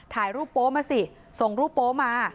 ถ่ายรูปโป๊มาสิส่งรูปโป๊มา